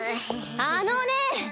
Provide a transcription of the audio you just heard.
あのね！